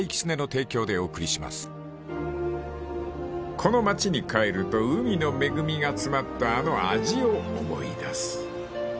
［この町に帰ると海の恵みが詰まったあの味を思い出す］